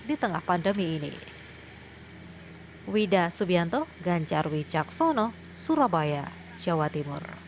di tengah pandemi ini